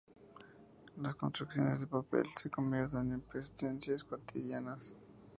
Las construcciones de papel se convierten en presencias cotidianas.